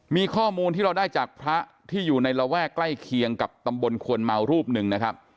มีข้อมูลที่เราได้จากพระที่อยู่ในระแวกใกล้เคียงกับตำบลควนเมารูปหนึ่งนะครับ